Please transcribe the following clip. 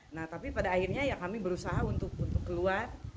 nah tapi pada akhirnya ya kami berusaha untuk keluar